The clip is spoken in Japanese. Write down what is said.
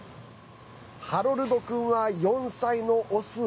ハロルドくんは４歳のオス。